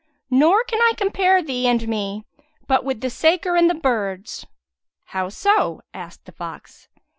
Nor can I compare thee and me but with the saker and the birds." "How so?" asked the fox.